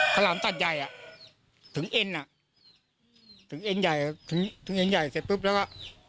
ฉลามตัดใหญ่อ่ะถึงเอ็นอ่ะถึงเอ็นใหญ่ถึงเอ็นใหญ่เสร็จปุ๊บแล้วก็